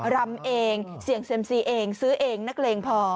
รำเองเสี่ยงเซ็มซีเองซื้อเองนักเลงพอ